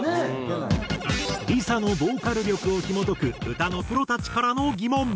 ＬｉＳＡのボーカル力をひも解く歌のプロたちからの疑問。